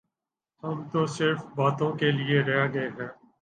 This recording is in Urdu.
ہم تو صرف باتوں کیلئے رہ گئے ہیں۔